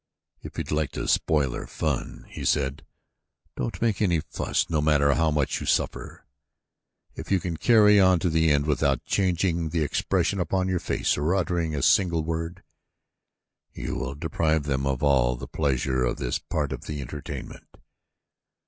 "If you'd like to spoil their fun," he said, "don't make any fuss no matter how much you suffer. If you can carry on to the end without changing the expression upon your face or uttering a single word, you will deprive them of all the pleasures of this part of the entertainment.